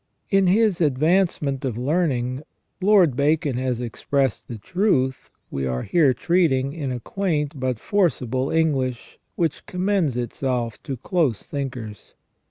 In his " Advancement of Learning " Lord Bacon has expressed the truth we are here treating in a quaint but forcible English which commends itself to close thinkers.